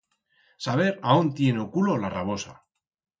Saber aón tiene o culo la rabosa